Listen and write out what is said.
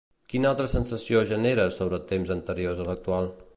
Quina altra sensació genera sobre temps anteriors a l'actual?